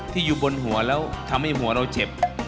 ที่อยู่บนหัวเราทำให้หัวเราเจ็บ